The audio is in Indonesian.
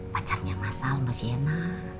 pacarnya masal mbak sienna